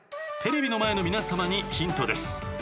テレビの前の皆さまにヒントです。